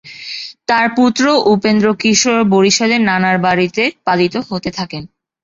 তার পুত্র উপেন্দ্র কিশোর বরিশালে নানার বাড়িতে পালিত হতে থাকেন।